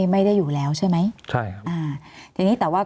มีความรู้สึกว่ามีความรู้สึกว่า